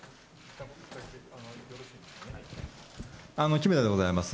木目田でございます。